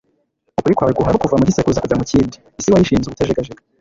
ukuri kwawe guhoraho kuva mu gisekuruza kujya mu kindi; isi wayishinze ubutajegajega